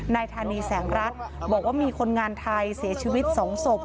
นายธานีแสงรัฐบอกว่ามีคนงานไทยเสียชีวิต๒ศพ